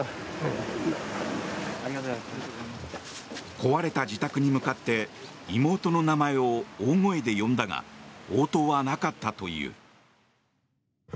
壊れた自宅に向かって妹の名前を大声で呼んだが応答はなかったという。